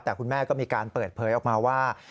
แต่คุณแม่ก็มีการเปิดเผยออกมาว่า